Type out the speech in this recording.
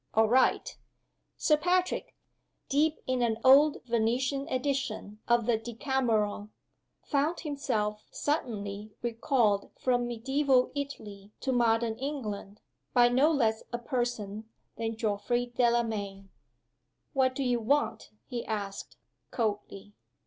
"All right!" Sir Patrick, deep in an old Venetian edition of The Decameron, found himself suddenly recalled from medieval Italy to modern England, by no less a person than Geoffrey Delamayn. "What do you want?" he asked, coldly.